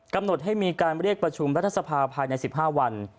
กำหนดให้มีการเรียกประชุมรัฐสภาภายใน๑๕วัน